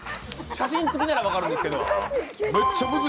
写真つきなら分かるんですけど。